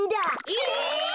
え！